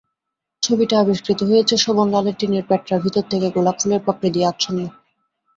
ছবিটা আবিষ্কৃত হয়েছে শোভনলালের টিনের প্যাঁটরার ভিতর থেকে, গোলাপফুলের পাপড়ি দিয়ে আচ্ছন্ন।